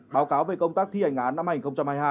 báo cáo về công tác thi hành án năm hai nghìn hai mươi hai